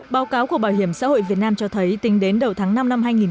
báo cáo của bảo hiểm xã hội việt nam cho thấy tính đến đầu tháng năm năm hai nghìn hai mươi